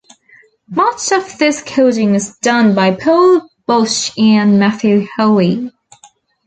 Much of this coding was done by Paul Bausch and Matthew Haughey.